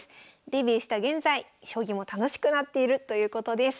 デビューした現在将棋も楽しくなっているということです。